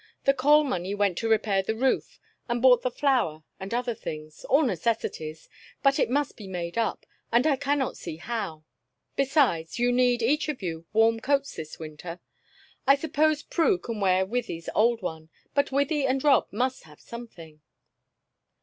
The coal money went to repair the roof, and bought the flour and other things all necessities but it must be made up, and I cannot see how. Besides, you need, each of you, warm coats this winter. I suppose Prue can wear Wythie's old one, but Wythie and Rob must have something."